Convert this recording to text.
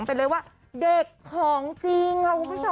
เป็นคนเด็กของจริง